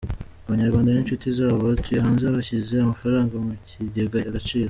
Abanyarwanda n’inshuti zabo batuye hanze bashyize amafaranga mukigega agaciro